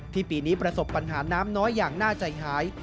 ปีนี้ประสบปัญหาน้ำน้อยอย่างน่าใจหาย